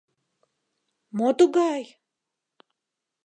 «Мо тугай?»